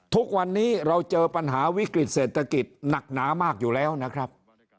ทุกวันนี้เราเจอปัญหาวิกฤติเศรษฐกิจหนักหนามากอยู่แล้วนะครับ